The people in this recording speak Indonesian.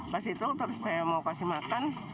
pas itu terus saya mau kasih makan